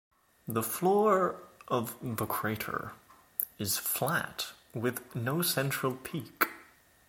The floor of the crater is flat with no central peak.